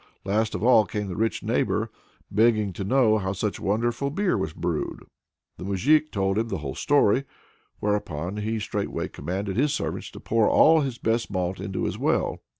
Last of all came the rich neighbor, begging to know how such wonderful beer was brewed. The moujik told him the whole story, whereupon he straightway commanded his servants to pour all his best malt into his well.